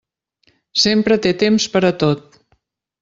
Sempre té temps per a tot.